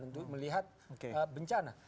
untuk melihat bencana